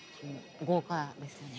豪華ですね。